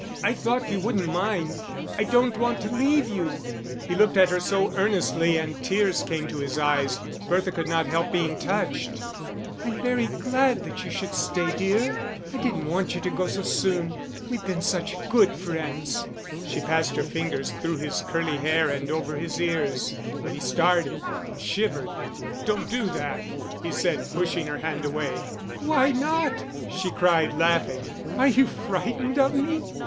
"I thought you wouldn't mind. I don't want to leave you." He looked at her so earnestly and tears came to his eyes, Bertha could not help being touched. "I'm very glad that you should stay, dear. I didn't want you to go so soon. We've been such good friends." She passed her fingers through his curly hair and over his ears; but he started, and shivered. "Don't do that," he said, pushing her hand away. "Why not?" she cried, laughing. "Are you frightened of me?"